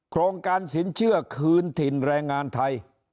โครงการสินเชื่อคืนถิ่นแรงงานไทย